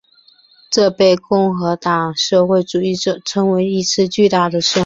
这被共和派和社会主义者称为一次巨大胜利。